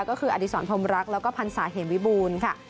ก็คืออดีศรพรมรักแล้วก็พันศาเหมวิบูรณ์ค่ะ